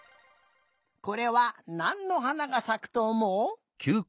これはなんのはながさくとおもう？